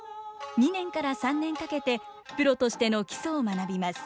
２年から３年かけてプロとしての基礎を学びます。